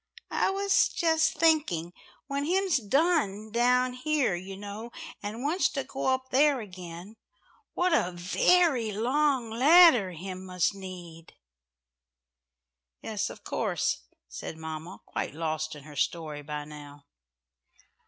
"I was just thinking, when Him's done down here, you know, and wants to go up there again, what a very long ladder Him must need." "Yes, of course," said mamma, quite lost in her story by now.